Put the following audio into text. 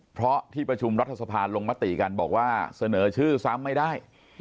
เพราะที่ประชุมรัฐสภาลงมติกันบอกว่าเสนอชื่อซ้ำไม่ได้